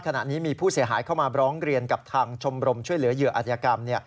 ขณะนี้มีผู้เสียหายเข้ามาร้องเรียนกับทางชมรมช่วยเหลือเหยื่ออัธยกรรม